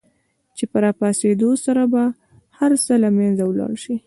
چې په را پاڅېدو سره به هر څه له منځه ولاړ شي.